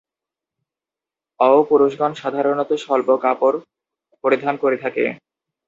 অও পুরুষগণ সাধারণত স্বল্প কাপড় পরিধান করে থাকে।